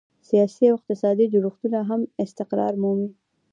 سیاسي او اقتصادي جوړښتونه هم استقرار مومي.